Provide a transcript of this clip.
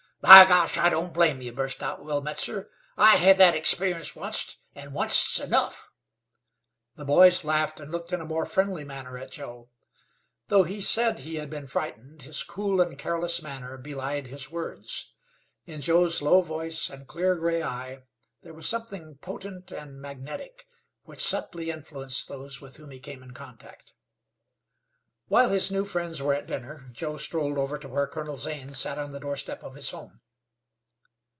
"By gosh, I don't blame ye!" burst out Will Metzar. "I hed that experience onct, an' onct's enough." The boys laughed and looked in a more friendly manner at Joe. Though he said he had been frightened, his cool and careless manner belied his words. In Joe's low voice and clear, gray eye there was something potent and magnetic, which subtly influenced those with whom he came in contact. While his new friends were at dinner Joe strolled over to where Colonel Zane sat on the doorstep of his home.